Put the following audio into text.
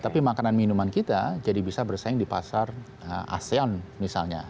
tapi makanan minuman kita jadi bisa bersaing di pasar asean misalnya